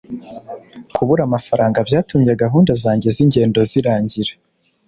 Kubura amafaranga byatumye gahunda zanjye zingendo zirangira.